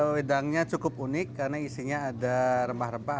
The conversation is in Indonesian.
wedangnya cukup unik karena isinya ada rempah rempah